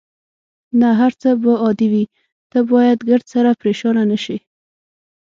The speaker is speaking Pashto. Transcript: نه، هر څه به عادي وي، ته باید ګردسره پرېشانه نه شې.